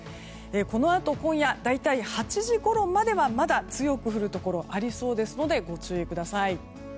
このあと、今夜大体８時ごろまではまだ強く降るところがありそうですのでご注意ください。